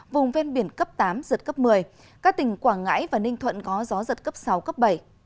vùng ven biển cấp tám giật cấp một mươi các tỉnh quảng ngãi và ninh thuận có gió giật cấp sáu cấp bảy